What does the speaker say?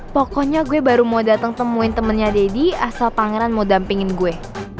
pokoknya gue baru mau datang temuin temennya deddy asal pangeran mau dampingin gue